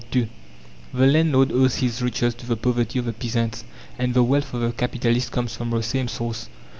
II The landlord owes his riches to the poverty of the peasants, and the wealth of the capitalist comes from the same source.